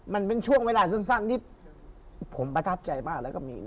มันเป็นช่วงเวลาสั้นที่ผมประทับใจมากแล้วก็มี